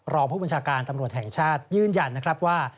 รองผู้บัญชาการตำรวจแห่งชาติยืนยันนะครับว่า